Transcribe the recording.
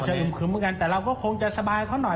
อึมครึ้มเหมือนกันแต่เราก็คงจะสบายเขาหน่อย